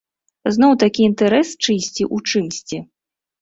Зноў такі інтарэс чыйсьці ў чымсьці.